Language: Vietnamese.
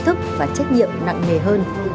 thức và trách nhiệm nặng mề hơn